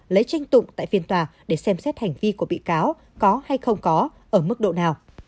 lấy tranh tụng tại phiên tòa để xem xét hành vi của bị cáo có hay không có ở mức độ nào